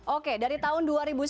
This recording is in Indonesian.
oke dari tahun dua ribu sembilan belas